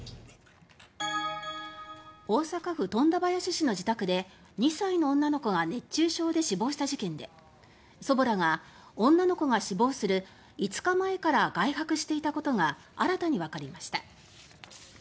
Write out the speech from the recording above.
大阪府富田林市の自宅で２歳の女の子が熱中症で死亡した事件で祖母らが女の子が死亡する５日前から外泊していたことが新たにわかりました。